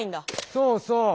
そうそう！